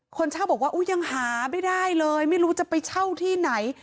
คนเช่าบอกว่ายังหาไม่ได้เลยไม่รู้จะไปเช่าที่ไหน